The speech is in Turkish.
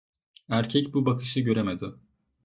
Erkek bu bakışı göremedi.